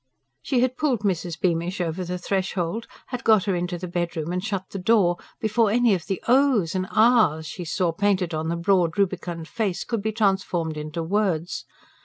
She had pulled Mrs. Beamish over the threshold, had got her into the bedroom and shut the door, before any of the "ohs" and "ahs" she saw painted on the broad, rubicund face could be transformed into words.